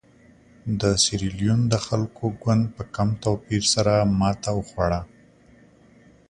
د سیریلیون د خلکو ګوند په کم توپیر سره ماته وخوړه.